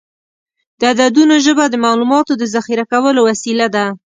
د عددونو ژبه د معلوماتو د ذخیره کولو وسیله ده.